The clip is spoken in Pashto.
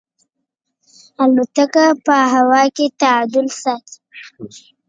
الوتکه په هوا کې تعادل ساتي.